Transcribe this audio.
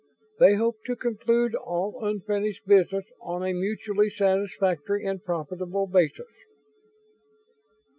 "They hope to conclude all unfinished business on a mutually satisfactory and profitable basis."